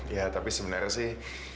ya tapi sebenarnya sih